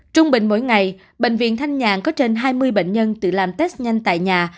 trung bình mỗi ngày bệnh viện thanh nhàn có trên hai mươi bệnh nhân tự làm test nhanh tại nhà